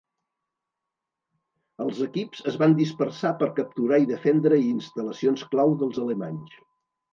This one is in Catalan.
Els equips es van dispersar per capturar i defendre instal·lacions clau dels alemanys.